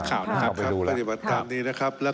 ก็จะไปดูแล้ว